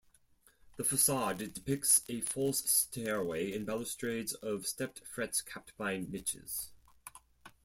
The facade depicts a false stairway and balustrades of stepped frets capped by niches.